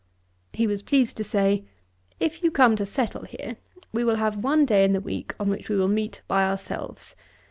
He was pleased to say, 'If you come to settle here, we will have one day in the week on which we will meet by ourselves.